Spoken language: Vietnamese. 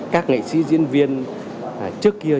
các nghệ sĩ diễn viên trước kia